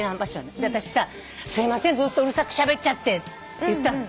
で私さ「すいませんずっとうるさくしゃべっちゃって」って言ったの。